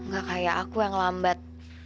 gak kayak aku yang lambat